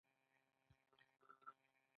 هر تولیدونکی له بل تولیدونکي څخه جلا تولید کوي